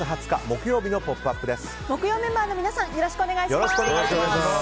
木曜メンバーの皆さんよろしくお願いします。